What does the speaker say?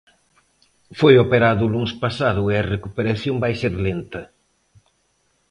Foi operado o luns pasado e a recuperación vai ser lenta.